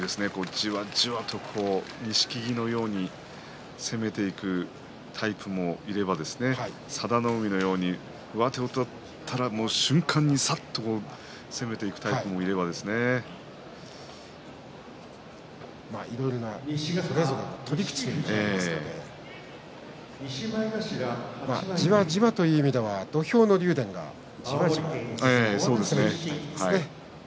じわじわと錦木のように攻めていくタイプもいれば佐田の海のように上手を取ったら瞬間にさっといろいろなそれぞれの取り口がありますのでじわじわという意味では土俵の竜電がじわじわ動くタイプですね。